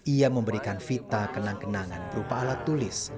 ia memberikan vita kenang kenangan berupa alat tulis